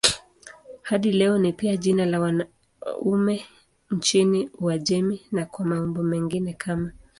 Hadi leo ni pia jina la wanaume nchini Uajemi na kwa maumbo mengine kama